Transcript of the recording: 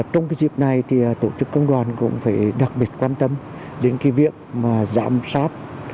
trong dịp này thì tổ chức công đoàn cũng phải đặc biệt quan tâm đến cái việc mà giám sát